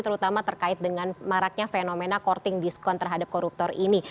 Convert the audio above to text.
terutama terkait dengan maraknya fenomena courting diskon terhadap koruptor ini